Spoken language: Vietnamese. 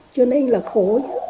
cho nên là khổ